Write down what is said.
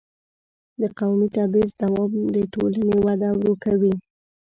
د قومي تبعیض دوام د ټولنې وده ورو کوي.